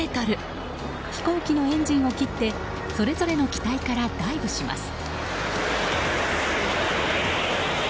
飛行機のエンジンを切ってそれぞれの機体からダイブします。